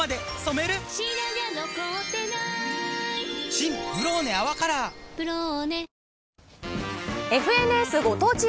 新「ブローネ泡カラー」「ブローネ」